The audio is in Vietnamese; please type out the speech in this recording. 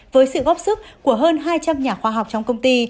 với sự góp sức của hơn hai trăm linh nhà khoa học trong công ty